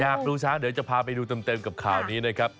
อยากดูช้างเดี๋ยวจะพาไปดูเต็มกับข่าวนี้นะครับ